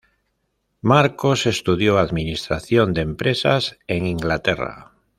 Marcos estudió Administración de empresas en Inglaterra.